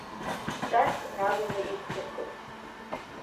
Кәтаӷьк наганы иқәдыргылт.